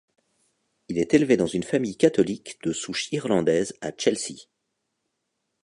Il est élevé dans une famille catholique de souche irlandaise à Chelsea.